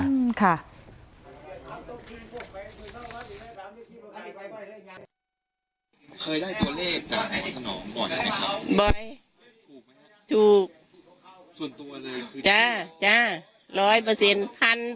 เคยได้ตัวเลขจากหมอธรรมลหมดเหรอครับ